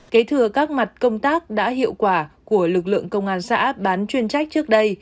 kế thừa các mặt công tác đã hiệu quả của lực lượng công an xã bán chuyên trách trước đây